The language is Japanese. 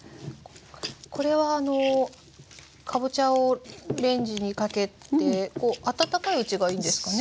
これはかぼちゃをレンジにかけて温かいうちがいいんですかね。